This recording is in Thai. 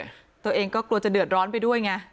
ตัวเองก็กลัวจะเดือดร้อนไปด้วยไง